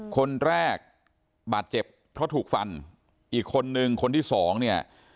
คนแรกบาดเจ็บเพราะถูกฟันอีกคนนึงคนที่สองเนี่ย